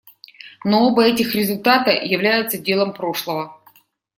Но оба этих результата являются делом прошлого.